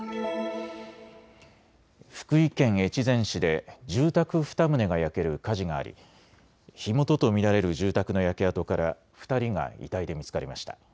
福井県越前市で住宅２棟が焼ける火事があり火元と見られる住宅の焼け跡から２人が遺体で見つかりました。